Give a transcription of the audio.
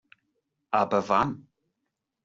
Aber wann?